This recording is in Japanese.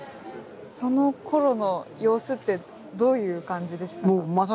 そのころの様子ってどういう感じでしたか？